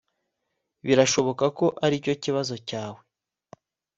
(birashoboka ko aricyo kibazo cyawe